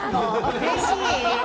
うれしい！